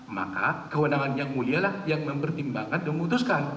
maka kewenangan yang mulialah yang mempertimbangkan dan memutuskan